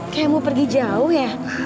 kayak mau pergi jauh ya